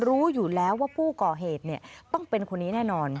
รู้อยู่แล้วว่าผู้ก่อเหตุต้องเป็นคนนี้แน่นอน